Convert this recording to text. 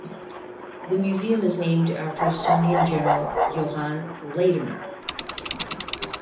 The museum is named after Estonian general Johan Laidoner.